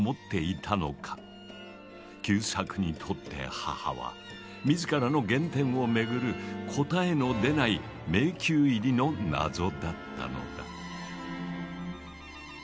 久作にとって母は自らの原点を巡る答えの出ない迷宮入りの謎だったのだ。